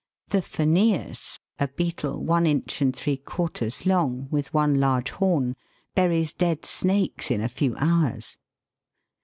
The Phanseus, a beetle one inch and three quarters long, with one large horn, buries dead snakes in a few hours.